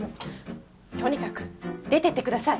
とにかく出ていってください。